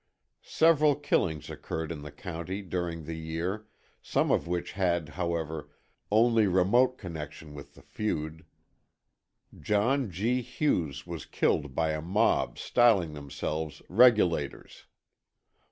Several killings occurred in the county during the year, some of which had, however, only remote connection with the feud. John G. Hughes was killed by a mob styling themselves "regulators."